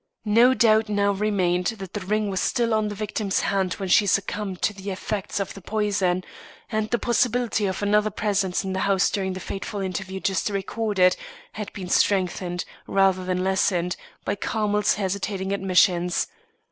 No doubt now remained that the ring was still on the victim's hand when she succumbed to the effects of the poison; and the possibility of another presence in the house during the fateful interview just recorded, had been strengthened, rather than lessened, by Carmel' s hesitating admissions.